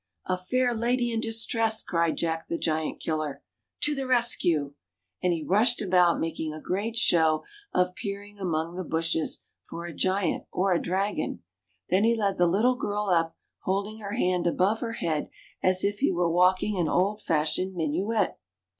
fair lady in distress !" cried Jack the Giant killer. ^^To the rescue!" and he rushed about, making a great show of peering among the bushes for a giant or a dragon. Then he led the little girl up, holding her hand above her head, as if he were walking an old fashioned minuet.